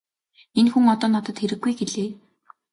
Энэ хүн одоо надад хэрэггүй -гэлээ.